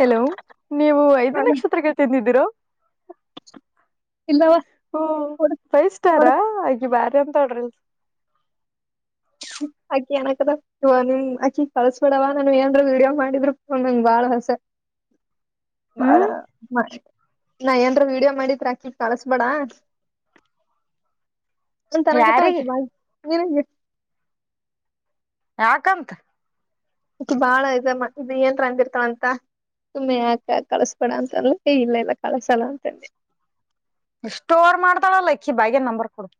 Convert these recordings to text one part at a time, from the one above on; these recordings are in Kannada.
ಹಲೋ ನೀವು ಐದು ನಕ್ಷತ್ರಕ್ಕೆ ತಿಂದಿದ್ದೀರೊ ಇಲ್ಲವ ಹ್ಮ ಕೊಡ ಫೈವ್ ಸ್ಟಾರ ಕೊಡ ಬಾರರು ತೊಡ್ರಿಲ್ಸ್ ಹ್ಮ [unintelligible] ಆಕಿ ಏನಕದ ನಿಮ್ ಆಕಿ ಕಳಸ್ ಬೇಡವ್ವ ನಾನ ಏನ್ ವೀಡಿಯೋ ಮಾಡಿದ್ರು ನಂಗ್ ಬಾಳ್ ಆಸೆ ಹ್ಮ ಬಾಳ ಹ್ಮ್ ನಚ್ಚಿಕೆ ನದ್ರಾ ವಿಡಿಯೋ ಮಾಡಿದ್ರಾಕಿಗ್ ಕಳಸ್ಬೇಡ ಅಂತ ನ ಕತ ಯಾರಿಗೆ ಹಾಕಿ ಬಾ ಯಾಕಂಕ್ ಇ ಬಾಳ ಇದ ಇ ಏನ್ ರಾಂಗ್ ಇದಾವಂತ ಸುಮ್ಮನೆ ಯಾಕ ಕಳಸಬೇಡ ಅಂತಲ್ಲ ಇಲ್ಲ ಇಲ್ಲ ಕಳಸಲ್ಲ ಅಂತ ಅಂದೆ ಸ್ಟೋರ್ ಮಾಡ್ದಾಳಲ್ಲ ಇಕ್ಕಿ ಬಾಗ್ಯನ್ ನಂಬರ್ ಕೊಡು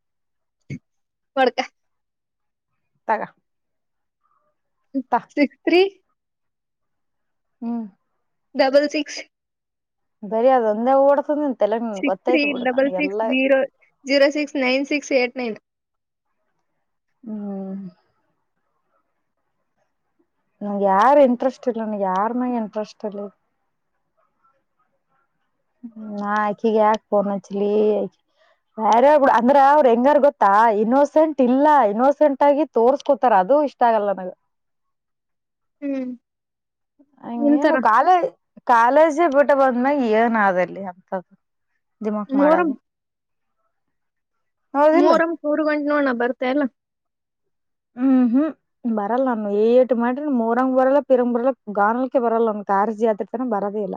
ಬಡಕ್ಕ ತಗಾ ಸಿಕ್ಸ್ ತ್ರಿ ಹ್ಮ್ ಡಬಲ್ ಸಿಕ್ಸ್ ಬರಿ ಅದೊಂದೇ ಓಡ್ತದಿ ನೀ six three double six zero zero six nine six eight nine ಹ್ಮ ನಂಗ ಯಾರ್ ಇಂಟ್ರೆಸ್ಟ್ ಇಲ್ಲ ನನ್ಗೆ ಯಾರ್ ಮಾಗ ಇಂಟ್ರೆಸ್ಟ್ ಇಲ್ಲ ಆಕಿಗೆ ಯಾಕ್ ಪೋನ್ ಆಚ್ಚಲ್ಲಿ ಬರೆ ಅಂದ್ರ ಅವರು ಹೆಂಗಾರ್ ಗೊತ್ತಾ ಇನೋಸೆಂಟ್ ಇಲ್ಲ ಇನೋಸೆಂಟ್ ಆಗಿ ತೋರಸ್ಕೊತ್ತಾರೆ ಅದು ಅದು ಇಷ್ಟ ಆಗಲ್ಲ ನನಗ ಹ್ಮ್ ನಿಂತರ ಹಂಗೇನು ಕಾಲೇಜ್ ಕಾಲೇಜೆ ಬಿಟ್ಟ್ ಊಟ ಬಂದ್ಮಾಗ ಏನಾದಲ್ಲಿ ಅಂತದೂ ದಿಮಾಕ್ ಮೂರಂ ಮಾಡೋದು ಮೂರಮ್ ಮೂರ್ ಗಂಟೆ ನೋಣ ಬರ್ತ ಇಲ್ಲ ಹ್ಮ್ ಹ್ಮ್ ಬರಲ್ಲ ನ ಏಟ್ ಮಾಡ್ರಿ ಮೂರಂಗ ಬರಲ್ಲ ಪಿರಂಗ್ ಬರಲ್ಲ ಗಾನಲಕ್ಕೆ ಬರಲ್ಲ ಅವ್ ಕಾರ್ಸ್ ಜಾತ ಬರದೇ ಇಲ್ಲ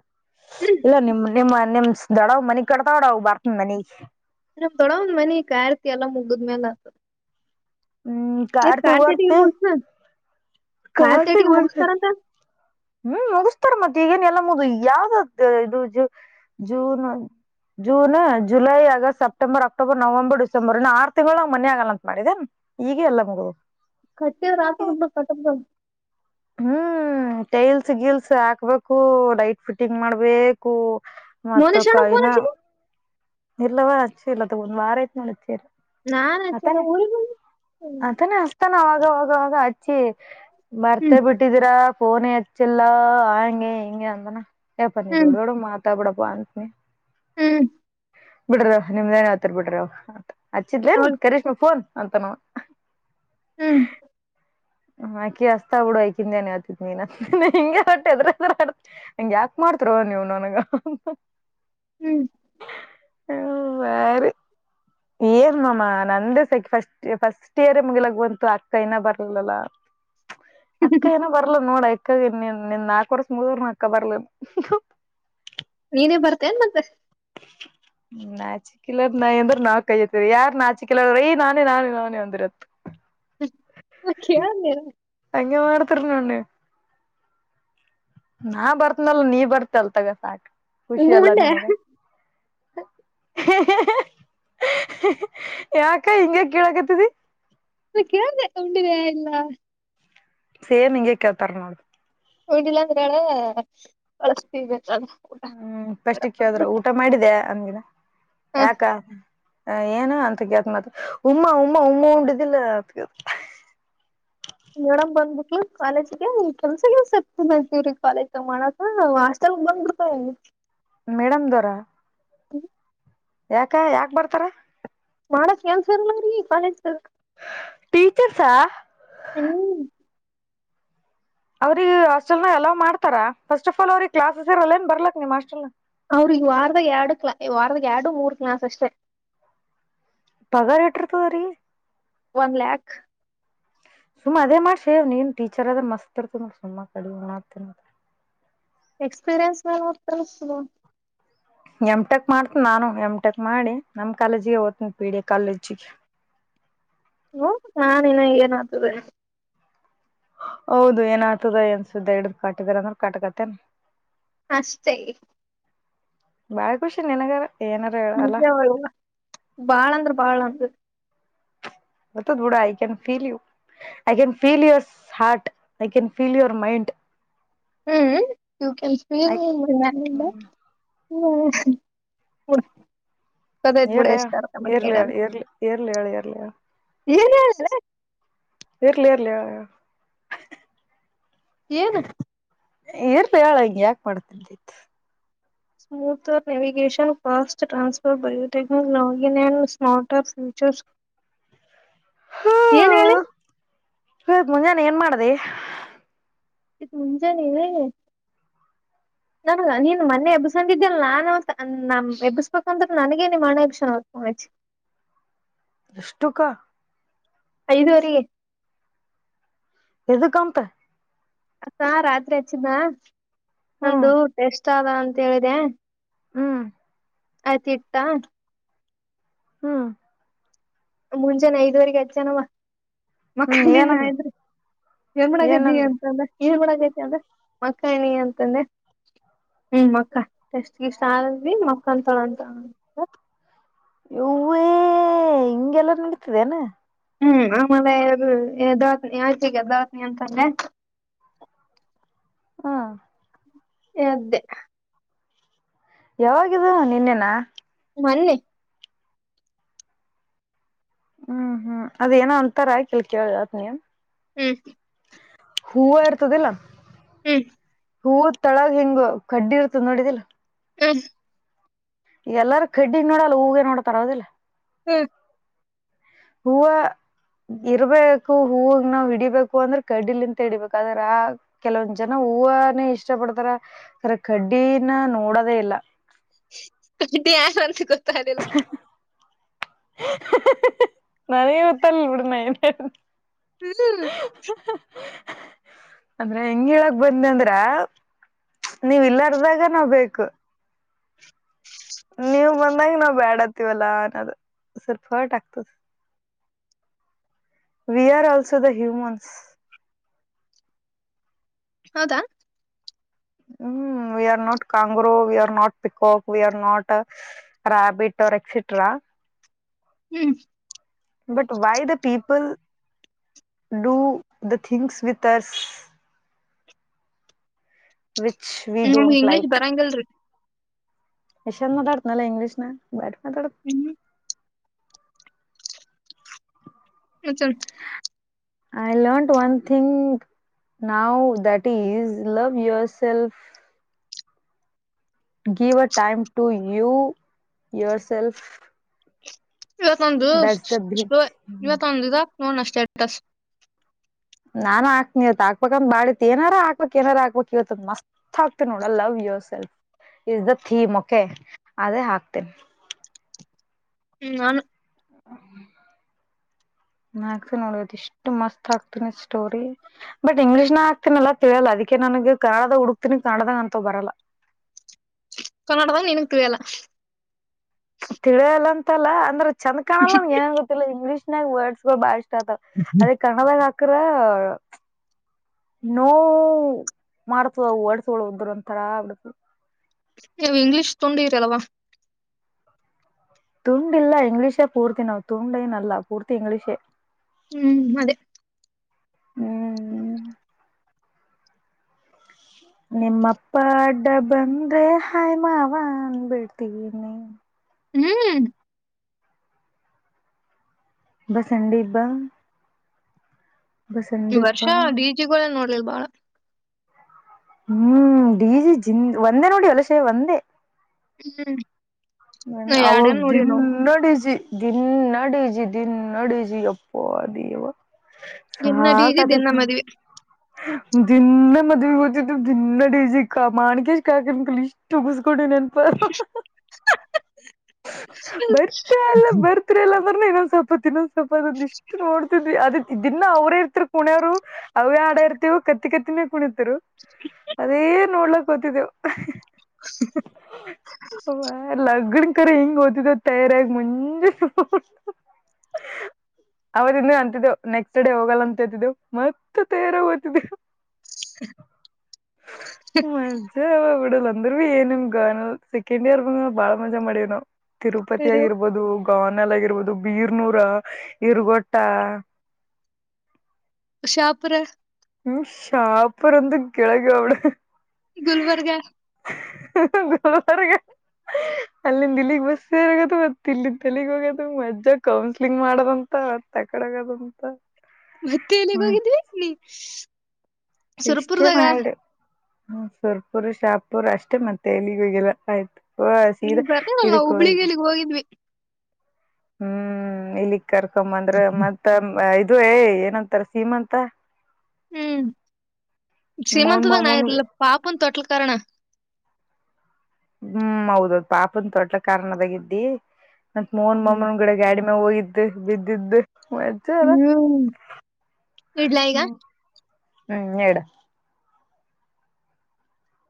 ಹ್ಮ ಏ ನಿಮ್ ನಿಮ್ಮ ನಿಮ್ ದೊಡವ ಮನಿಗ್ ಕಡತಾವಡ ಅವಾಗಾ ಯಯ ಬರ್ತನ್ ಮನಿಗ್ ನಮ್ ದೊಡ್ಡಮ್ಮನ ಒಂದ ಮನೆ ಖಕಕ ಆರ್ತಿ ಎಲ್ಲ ಮುಗಿದ ಮೇಲೆ ಆಸ ಹ್ಮ್ ಎ ಕಾರ್ತಿಗ್ ಕಾರತಿ ಬರ್ತೆ ಹೊಸ್ನ ಕಾಯ ತೇಟಿಗೆ ಕಾರ್ತಿಗ್ ಬರ್ತೆ ಮುಗಿಸ್ತಾರಂತ ಹ್ಮ್ ಮುಗಿಸ್ತಾರೆ ಮತ್ತೆ ಈಗೇನ್ ಎಲ್ಲ ಮುಗ್ದ ಯಾವ್ದಾಗ್ ಇದು ಜೂ June June July August September October November December ಇನ್ನು ಆರು ತಿಂಗಳಗ ನ್ ಮನಿ ಆಗಲ್ಲ ಅಂತ ಮಾಡಿದೇನ್ ಈಗೇ ಎಲ್ಲಾ ಮುಗದು ಕಟ್ಟಿದ್ದಾರೆ ಆತ್ತಾದ ಬಿಡು ಕಟ್ಟ ಬಿಡು ಹೋಗ್ಲಿ ಹ್ಮ್ ಟೈಲ್ಸ್ ಗಿಲ್ಸ್ ಹಾಕ್ಬೇಕು ಲೈಟ್ ಫಿಟ್ಟಿಂಗ್ ಮಾಡ್ಬೇಕು. ಮೋನೇಶ್ ಮತ್ತ ಅಣ್ಣ ಫೋನ್ ಕೈನ ಹಚ್ಚಿದಿ ಇಲ್ಲವಾ ಅಚ್ಚಿ ಇಲ್ಲ ತಗೋ ಒಂದ್ ವಾರ ಆಯ್ತು ಅಚ್ಚಿ ನಾನ್ ಹಚ್ಚಿಲ್ಲ ಅತನೆ ಊರಿಗೆ ಬಂದಿ ಅತನೆ ಹಸ್ ಆವಾಗ ಆವಾಗ ಹಚ್ಚಿ ಮರ್ತೆ ಹ್ಮ್ ಬಿಟ್ಟಿದೀರಾ ಪೋನೆ ಹೆಚ್ಚಿಲ್ಲ ಹಂಗೆ ಹಿಂಗೆ ಅಂದಾನ ಪನಿ ಹ್ಮ್ ದೋಡೋಡ ಮಾತ್ರ ತ್ತ ಬಡ ಪ ಅಂಂತನೆ ಹ್ಮ್ ಬಿಡ್ರವ ನಿಮ್ದೇನಾವತರ್ ಬಿಡ್ರ ಹಚ್ಚಿದ್ಲೇನ್ ಅವಾಗ ಕರೀಮೆ ಫೋನ್ ಅಂತನ ಹ್ಮ್ ಹಾಕಿ ಹಸ್ತಾ ಬಿಡು ಐಕಿಂದನ್ ಹತಿದ್ ನೀನ್ ಹಿ ಹೊಟ್ಟ ಎದ್ರ ಎದ ಹ ಯಾಕ ಮಾಡಡ್ ತವಾಗಿ ನೀವುವನ್ನುನಗೆ ಹ್ಮ್ ಹ್ಮ ವಾರೆ ಏನ್ ಮಮ್ಮ ನಂದೇ ಸಕ ಫಸ್ಟ್ ಫಸ್ಟ್ ಇಯರ್ ಮುಗಿಲಾಗುವಂತು ಅಕ್ಕೈನ ಬರ್ಲಲ್ಲಾ ಅಕ್ಕ ಏನೋ ಬರ್ಲ ನೋಡಾಯ್ತ ಅಕ್ಕನ್ ನಿನ್ ನಾಲ್ಕು ವರ್ಷ ಮುಗದರ್ ಅಕ್ಕ ಬರ್ಲ ನೀನೇ ಬರ್ತ ಏನ್ ಮಂದೆ [inaudible] ನಾಚಿಕಲರ್ ನಾಯಿ ಅಂದ್ರ ನಾವ್ ಕೈ ಹತ್ತೀರಿ ಯಾರ್ ನಾಚಿಕಿಲ್ಲಲರ್ ರೀ ನಾನೇ ನಾನೇ ನಾನೇ ಒಂದಿರತ್ತತ್ ಆಖೆಯ ಮರ ರನ್ಣನೆ ನಾ ಬರ್ತ್ನಲ್ ನೀ ಬರ್ತಲ್ ತಗ ಸಾಕ್ ಖುಷಿ ಹ್ಮ್ ಅಲ್ಲ ಉಂಡೆ ನನ್ಗ ಹ [unintelligible] ಯಾಕ ಹಿಂಗ ಕೀಳಕತ್ತದ ನೀ ಕೇಳ್ದ ಉಂಡಿವ ಇಲ್ಲ ಸೇಮ್ ಇಂಗ ಕ ತರ ನದು ಹೋಗಿಲ್ಲ ಅಂದ್ರಾಳ ಬಳಸ್ತವೆ ಹ್ಮ್ ಪಷ್ಟಿಕ್ಕೆ ಹೇಳಿದ್ರರು ಊಟ ಮಾಡಿದ್ದ ಅಮಗಿನ ಯಾಕ ಅ ಏನ ಅಂತ ಗತ್ ಮಾತ್ರ ಉಮ್ಮಾ ಉಮ್ಮಾ ಉಮ್ಮ ಉಂಡಿದಿಲ್ಲ ಅತ್ಗ ನೋಡಮ್ ಬಂದಬಿಕ್ ಕಾಲೇಜ್ಗೆ ಕೆಲ್ಸಗಸಕ್ತಿ ನತವ್ರೀ ಕಾಲೇಜ್ ತಗ ಮಾಡಕ ನ ಆಸ್ ಬಂದುತ ಮೇಡಮ್ ದವರ ಹ್ಮ ಯಾಕ ಯಾಕ ಬರ್ತಾರ ಮಾಡಕ್ ಏನ್ಸರ್ಲ್ಲ ರೀ ಕಾಲಜರ್ ಟೀಚರ್ಸಾ ಹ್ಮ್ ಅವ್ರಿಗೆಗ ಹಸ್ಟೆಲ್ ನ ಎಲ್ಲಾ ಮಾಡ್ತಾರ ಫಸ್ಟ್ ಆಫ್ ಆಲ್ ಅವ್ರ ಕ್ಲಾಸಸ್ ಇರಲ್ಲ ಏನ್ ಬರ್ಲಕ್ ನಿಮ್ಾಸ್ಟೆಲ್ನ ಅವ್ರಿಗೆ ಈಗ ವಾರದಾಗ ಎರಡು ಕ್ಲಾ ವಾರದಾಗ ಎರಡು ಮೂರ್ ಕ್ಲಾಸ್ ಅಷ್ಟೆ ಪಗಾರ್ ಇಟ್ಟಿರ್ತದ ರೀ ಒನ್ ಲಾಕ್ ಸುಮ್ಮ ಅದೇ ಮಾಡ ಶೇವ್ ನೀನ್ ಟೀಚರ್ ಆದ್ರ ಮಸ್ತ್ ಇರ್ತ ನೋ ಸುಮ್ಮಾ ಕಡಿ ಮಾಡತ ಎಕ್ಸ್ಪಿರಿಯನ್ಸ್ ಮಾಡತ ಎಮ್ ಟೆಕ್ ಮಾಡ್ತನ ನಾನು ಎಮ್ಟಕ್ ಮಾಡಿ ನಮ್ ಕಾಲೇಜಿಗೆ ಓ್ತನ ಪಿಡಿ ಕಾಲೇಜಿಗೆ ಹ್ಮ ನಾನ್ ಇನ ನತುರ ಹೌದು ಏನ್ ಆತದ ಎನ್ಸುದ್ದ ಹಿಡ್ದ್ ಕಾಟಿದರ ಅಂದ್ರರು ಕಾಟಕತ್ತೇನ್ ಅಷ್ಟೇ ಬಾಳ ಖುಷಿ ನಿನಗಾರ ಏನಾರ ಹೇಳಲ್ಲ ನಿಜವ ಬಾಳ ಅಂದ್ರ ಬಾಳ ಅಂದ ಮತ್ತುಡ I can feel you I can feel your heart I can feel your mind hmm ಯ ಕನ್ ಐ ಹ್ಮ್ ಏ ಇರ್ಲಿ ಹೇಳು ಇರ್ಲಿ ರ್ಲಿ ಹೇಳು ಇರ್ಲಿ ಹೇಳ ಏನ ಹೇಳ ಇರ್ಲಿ ಇರ್ಲ ಯಾ [unintelligible] ಏನ ಇರ್ಲಿ ಹೇಳ ಹಿಂಗೆ ಯಾಕ [unintelligible] smoother navigation fast transfer biotech login and smart ಏನ್ ಹೇಳಿ ಹ [unintelligible] ಮನೇಲಿ ಏನ್ ಮಾಡಿದೀ [unintelligible] ಮುಂಚ [unintelligible] ನನ ನೀನ್ ಮೊನ್ನೆ ಎಬ್ಬಿಸಂದಿದ್ದಲ್ ನಾನನ್ ಅವ ನಮ್ ಎಬ್ಬಸ್ಬೇಕಂತ್ರ ನನಗೇ ನಿ ಮನೆ [unintelligible] [unintelligible] ಅಷ್ಟುಕ ಐದುವರೆಗೆ ಎದುಕಂತೆ ಅತಾ ರಾತ್ರಿ ಹಚ್ಚಿದ ಹ್ಮ್ ನಂದು ಟೆಸ್ಟಾದ ಅಂತ ಹೇಳಿದೆ ಹ್ಮ್ ಆಯ್ತು ಇಟ್ಟ ಹ್ಮ್ ಮುಂಜಾನೆ ಐದುವರೆಗೆ ಹಚ್ಚಾನವ ಹ್ಮ್ [unintelligible] ಏನಂದ ಅದ್ರಿ ಎನ್ಮಡಕತಿಯ ಏನಂದ ಅಂತಂದ ಏನ್ಮಾಡಕತಿಯ ಅಂದ ಮಕ್ಕಾಣಿ ಅಂತಂದೆ ಹ್ಮ್ ಮಕ್ಕ ಎಷ್ಟಿಷ್ಟಾರ್ವಿ ಮಕ್ಕತಳಂತ ಯವ್ವಾ ಹಿಂಗೆಲ್ಲ ನಡತದೇನು ಹ್ಮ್ ಆಮೇಲೆ ಅದು [unintelligible] [unintelligible] ಅಂತಂದೆ ಹಾ ಎದ್ದೆ ಯಾವಾಗಿದು ನೆ ನ್ನೆನಾ ಮೊನ್ನೆ ಹ್ಮ್ ಹ್ಮ್ ಅದು ಏನೋ ಅಂತರ ಇಲ್ಲಿ ಕೇಳ ಹೇಳ್ತೀನಿ ಹ್ಮ್ ಹೂವ ಇರ್ತದಲ್ಲ ಹ್ಮ್ ಹೂವದ್ ತಳಗ ಹೆಂಗ್ ಕಡ್ಡಿ ಇರ್ತದ ನೋಡಿದಿಲ್ಲ ಹ ಎಲ್ಲಾರೂ ಕಡ್ಡಿನ ನೋಡಲ್ಲ ಹೂಗೆ ನೋಡ್ತರ ಅವದಿಲ್ಲ ಹ್ಮ್ ಹೂವ ಇರ್ಬೇಕು ಹೂ ನಾವ್ಡಿಬೇಕು ಅಂದ್ರೆ ಕಡ್ಡಿಲಿಂತ ಇಡಿಬೇಕು ಆದ್ರೆ ಆ ಕೆಲವೊಂದ್ ಜನ ಹೂವಾನೇ ಇಷ್ಟ ಪಡ್ತಾರ ಅರ ಕಡ್ಡಿನ ನೋಡದೇ ಇಲ್ಲ ಅದು ಯಾರ್ ಅಂತ ಗೊತ್ತಾಗಿಲ್ಲ ನಾನು [unintelligible] ಇಡು ನನು ಹ್ಮ್ ಅಂದ್ರೆ ಹೆಂಗ ಹೇಳಕ್ ಬನ್ನಿ ಅಂದ್ರ ನೀವ ಇಲ್ಲಾರ್ದಾಗ ನಾವ್ ಬೇಕು ವಲ್ಲ ಅನೋದು [unintelligible] ತದ we are also the humans ಹೌದಾ ಹ್ಮ್ we are not kangaroo we are not peacock we are not rabbit R ಎಕ್ಸಿಟ್ರಾ hmm but why the people do the things with us ನಮ್ಗೆ ಇಂಗ್ಲಿಷ್ ಬರಂಗಿರ್ಲಿ ಏಷ್ [unintelligible] ಇಂಗ್ಲೀಷ್ ನ [unintelligible] ಹ್ಮ್ ಹ [unintelligible] ಐ ಲಾಂಟ್ ಒನ್ ಥಿಂಗ್ ನಾವ್ that is love yourself give a time to you yourself ಇವತ್ತೊಂದು ಸ್ಟ ಥಿಂಗ್ ಇವತ್ತೊಂದು ಇದಕ್ ನೋಡಣ ಸ್ಟೇಟಸ್ ನಾನು ಹಾಕ್ತೀನಿ ಇವತ್ ಹಕ್ಬೇಕಂದ ಮಾಡಿತ್ ಎನಾರ ಹಾಕ್ ಏನಾರ ಹಾಕ್ಬೇಕ್ ಇವತ್ತ್ ಮಸ್ತ್ ಹಕ್ತಿನ್ ನೋಡ್ I love yourself is the theme okay ಅದೇ ಹಾಕ್ತೇನೆ. ಹ್ಮ [unintelligible] ಇಷ್ಟು ಮಸ್ತ್ ಆಗ್ತೀನಿ ಸ್ಟೋರಿ ಬಟ್ ಇಂಗ್ಲೀಷ್ ನ ಹಾಕ್ತನಲ್ಲಾ ತಿಳಿಯಲ್ಲ ಅದಕ್ ನನಿಗೆ ಕನ್ನಡದಾಗ್ ಹುಡುಕ್ತೀನಿ ಕನ್ನಡದಾಗಂತು ಬರಲ್ಲ. ಕನ್ನೋಡದಾಗ್ ಏನು ತಿಳ್ಯಲ್ಲ ತಿಳ್ಯಲ್ಲ ಅಂತಲ್ಲ ಅಂದ್ರೆ ಚಂದ್ ಕಾಣಲ್ಲ ಏನ ಗೊತ್ತಿಲ್ಲ ಇಂಗ್ಲೀಷ್ ನಾಗ್ ವರ್ಡ್ಸ್ಗಳು ಬಾ ಅದೇ ಕನ್ನಡ್ದಾಗ್ ಹಕರೆ ನೋ ವ್ ಮಾಡ್ತದ ಹೊಡ್ಸಗಳ್ ಒಂದ್ ಒಂತರ ಬಿಡ್ - ನೀವು ಇಂಗ್ಲೀಷ್ ತೊಂಡ್ [unintelligible] ತುಂಡ್ ಇಲ್ಲ ಇಂಗ್ಲಿಷೇ ಪೂರ್ತಿ ನಾವ್ ತುಂಡ ಏನಲ್ಲ ಪೂರ್ತಿ ಇಂಗ್ಲೀಷೇ. ಹ್ಮ್ ಅದೇ ಹ್ಮ್ ನಿಮ್ಮಪ್ಪ ಅಡ್ಡ ಬಂದ್ರೆ ಹಾಯ್ ಮಾವ ಅನ್ಬಿಡ್ತಿದೀನಿ. ಹ್ಮ್ ಬಸಂಡಿ ಬಾ ಈ ಬಸಂಡಿ ವರ್ಷ ಬಾ ಡಿ ಜಿಗಳೇ ನೋಡ್ಲಿಲ್ ಬಾಳ ಹ್ಮ್ ಡಿಜಿ ಜಿಂದ್ ಒಂದೇ ನೋಡಿ ಹೊಲ ಶೆ ಒಂದೇ ಹ್ಮ್ ಅವಾಗ್ ಎರಡೇನ್ ನೋಡಿವ್ ನಾವು [unintelligible] ಡಿಜಿ ದಿನ್ನ ಡಿಜಿ ದಿನ್ನ ಡಿಜಿ ಯಪ್ಪ ದೇವ. ದಿನ ಹಾ ಡಿ ಜಿ ದಿನ [unintelligible] ಮದ್ವಿ ದಿನ್ನ ಮದ್ವೆ ಹೊಗ್ತಿದ್ದೊ ದಿನ್ನ ಡಿ ಜಿ [unintelligible] ಇಷ್ಟು ಕುಡೆ ನೆನ್ಪ ಹಾ ಬರ್ತ ಎಲ್ಲ ಬರ್ತ್ರಿರ ಇಲ್ಲ ಬನ್ನಿ ಇನ್ನೊಂದ ಸ್ವಲ್ಪ ತಿನ್ನದ್ [unintelligible] ಇಷ್ಟ್ ನೋಡ್ತಿದ್ವಿ ಅದಕ್ ದಿನ್ನ ಅವ್ರೇ ಇರ್ತರ್ ಪುಣೆಯಾವ್ರು ಅವೇ ಆಡ ಇರ್ತಿವಿ ಕ [unintelligible] ಕುಣಿತರು ಅದೇ ನೋಡ್ಲಕ್ ಹೊತಿದ್ವು ಹಾ ಅ ವ್ವ ಲಗ್ [unintelligible] [unintelligible] ಹೆಂಗ್ ಓತಿದ್ದ ತಯಾರಾಗ್ ಮುಂದೆ [unintelligible] ಅವತ್ ಇಂದ ಅಂತಿದ್ದೇವು ನೆಕ್ಸ್ಟ್ ಡೇ ಹೋಗಲ್ಲ ಅಂತಿದ್ದು ಮತ್ತ್ ತೇರ ಓತಿದ್ದೆ [unintelligible] ಮತ್ತೆ [unintelligible] ಅಂದ್ರು ಏನ್ ನಿಮ್ಗ್ ಸೆಕೆಂಡ್ ಇಯರ್ ಬಾಳ ಮಜಾ ಮಾಡೇನ್ನ ತಿರುಪತಿ ಕರೆವ್. ಆಗಿರ್ಬೋದು. ಪಾವನ್ ಅಲ್ ಆಗಿರ್ಬೋದು ಬೀರ್ನೂರ ಇರ್ಗೊಟ್ಟ [unintelligible] ಹ್ಮ ಶಾಪರ್ಂದು ಕೆಳಗೆ ಅವ್ಳೆ ಗುಲ್ಬರ್ಗಾ ಹಾ ಹಾ [unintelligible] ಅಲ್ಲಿಂದ ದಿಲ್ಲಿಗ್ ಬಸ್ಸ [unintelligible] ಮತ್ತ ಇಲ್ಲಿಂದ್ ಹೋಗದು ಮದ್ಯ ಕೌನ್ಸಲಿಂಗ್ ಮಾಡದ್ ತ [unintelligible] ಅಂತ ಮತ್ತೆ ಎಲ್ಲಿಗ್ ಹೋಗಿದ್ರಿ ನೀ ಇಷ್ಟೇ ಸುರಪುರದಾಗ ಮಾಡು ಹ್ಮ ಸುರ್ಪುರ್ ಶಾಪುರ್ ಅಷ್ಟೇ ಮತ್ತೆ ಎಲ್ಲಿಗೂಗಿಲ್ಲ ಆಯ್ತು ಹ ನೀ ಸೀದಾ ಬರ್ಲಿಲ್ಲಲ್ಲ ಇದುಕೋಗಿ ಹುಬ್ಳಿಗ್ ಎಲ್ಲಿಗ್ ಹೋಗಿದ್ವಿ ಹೂ ಇಲ್ಲಿಗ್ ಕರ್ಕೊ ಬಂದ್ರೆ ಮತ್ತ ಇದು ಏ ಏನಂತಾರ ಸೀಮಂತ ಹೂ ಮೋನ್ ಶ್ರೀಮಂತದಾಗ ಮಾಮೂನ್ ನಾನಿರಿಲ್ಲ ಪಾಪುನು ತೊಟ್ಲ ಕಾರಣ ಹ್ಹೂ ಹೌದೌದ್ ಪಾಪನ್ ದೊಡ್ಡ ಕಾರಣದಾಗ ಇದಿದ್ದಿ ಮತ್ ಮೋನ್ ಹ್ಮ್ ಮಮ್ಮನ ಗಿಡ ಗಾಡಿ ಹೋಗಿದ್ದೆ ಬಿದ್ದಿದ್ದು ಮಜಾ ಅಲ್ಲ ಹ್ಮ್ ಇಡ್ಲಾ ಈಗ? ಹೂ ಹೂ ಹೇಳಡ